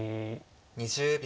２０秒。